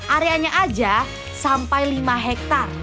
areanya aja sampai lima hektare